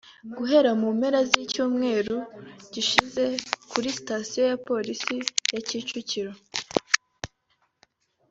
Guhera mu mpera z’icyumweru gishize kuri station ya polisi ya Kicukiro